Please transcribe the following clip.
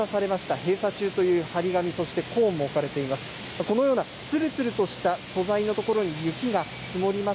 閉鎖中という貼り紙、そしてコーンも置かれています。